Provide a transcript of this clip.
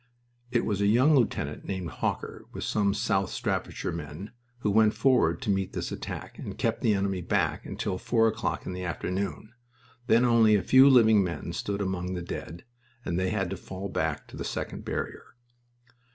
It was a young lieutenant named Hawker, with some South Staffordshire men, who went forward to meet this attack and kept the enemy back until four o'clock in the afternoon, when only a few living men stood among the dead and they had to fall back to the second barrier.